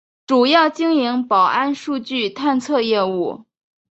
主要经营保安数据探测业务。